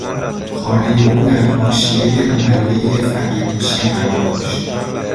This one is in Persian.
خانهی او در حاشیهی محلهی فقیرنشین قرار داشت.